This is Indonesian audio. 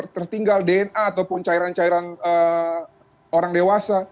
tertinggal dna ataupun ceceran ceceran orang dewasa